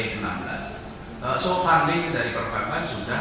jadi pendapat dari perempuan sudah